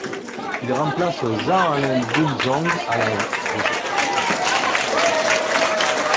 Il remplace Jean-Alain Boumsong à la de jeu.